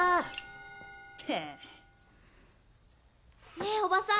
ねえおばさん！